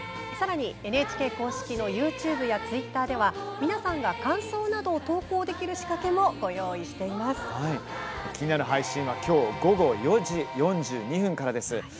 さらにＮＨＫ公式のＹｏｕＴｕｂｅやツイッターでは皆さんが感想などを投稿できる配信はきょう午後４時４２分からです。